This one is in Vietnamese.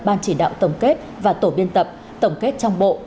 ban chỉ đạo tổng kết và tổ biên tập tổng kết trong bộ